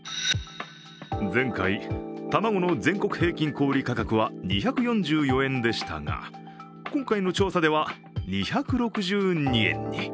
前回、卵の全国平均小売価格は２４４円でしたが今回の調査では２６２円に。